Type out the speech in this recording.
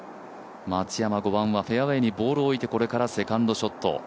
松山、５番はフェアウエーにボールを置いてこれからセカンドショット。